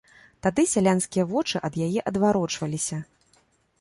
Тады сялянскія вочы ад яе адварочваліся.